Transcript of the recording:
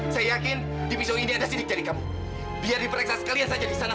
saya yakin di pisau ini ada sidik jadi kamu biar bisa sekalian saja disana